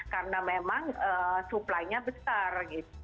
karena memang suplainya besar